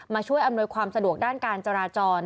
ช่วยอำนวยความสะดวกด้านการจราจร